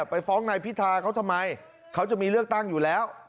ไปฟ้องนายพิธาเขาทำไมเขาจะมีเลือกตั้งอยู่แล้ว